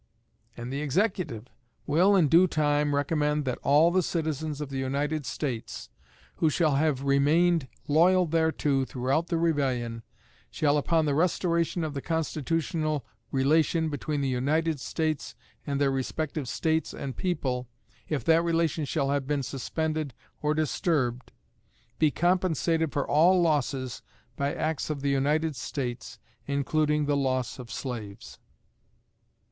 And the Executive will in due time recommend that all the citizens of the United States who shall have remained loyal thereto throughout the rebellion, shall (upon the restoration of the constitutional relation between the United States and their respective States and people, if that relation shall have been suspended or disturbed) be compensated for all losses by acts of the United States, including the loss of slaves.